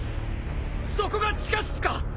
そこが地下室か？